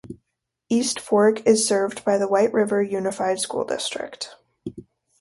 East Fork is served by the Whiteriver Unified School District.